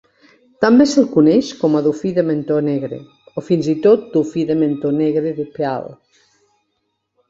També se'l coneix com a dofí de mentó negre o fins i tot dofí de mentó negre de Peale.